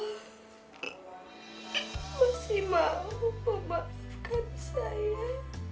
masih mau memaafkan saya